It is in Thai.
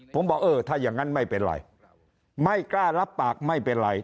ผมบอกเออถ้าอย่างนั้นไม่เป็นไรไม่กล้ารับปากไม่เป็นไร